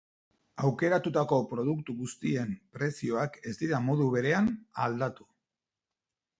Aukeratutako produktu guztien prezioak ez dira modu berean aldatu.